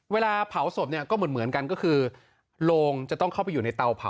เวลาเผาศพเนี่ยก็เหมือนกันก็คือโรงจะต้องเข้าไปอยู่ในเตาเผา